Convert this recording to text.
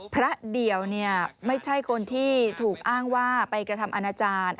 พระเดี่ยวไม่ใช่คนที่ถูกอ้างว่าไปกระทำอาณาจารย์